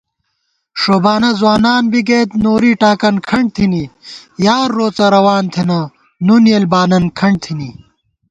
ݭوبانہ ځوانان بی گئیت نوری ٹاکن کھنٹ تھنی * یار روڅہ روان تھنہ نُن یېل بانن کھنٹ تھنی